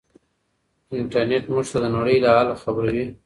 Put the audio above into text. انټرنيټ موږ ته د نړۍ له حاله خبروي.